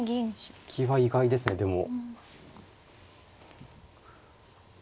引きは意外ですねでも。